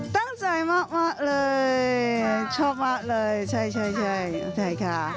ตั้งใจมากเลยชอบมากเลยใช่ใช่ค่ะ